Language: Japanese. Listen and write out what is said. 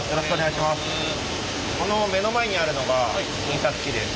この目の前にあるのが印刷機です。